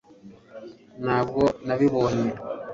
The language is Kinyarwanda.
ntabwo nabibonye